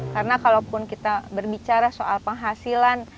karena kalau pun kita berbicara soal penghasilan